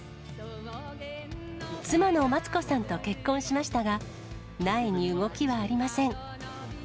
妻の松子さんと結婚しましたが、苗に動きはありません。